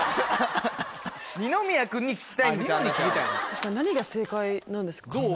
確かに何が正解なんですかね？